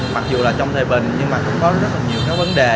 mặc dù là trong thời bình nhưng mà cũng có rất là nhiều cái vấn đề